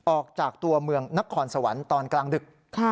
ออกจากตัวเมืองนครสวรรค์ตอนกลางดึก